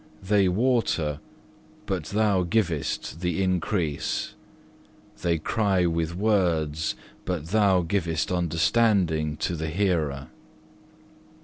They water, but Thou givest the increase. They cry with words, but Thou givest understanding to the hearer.